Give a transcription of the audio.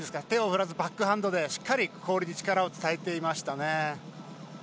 手を振らずバックハンドでしっかりと氷に力を伝えていました。